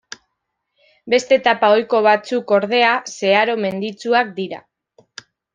Beste etapa ohiko batzuk, ordea, zeharo menditsuak dira.